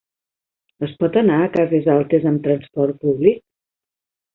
Es pot anar a Cases Altes amb transport públic?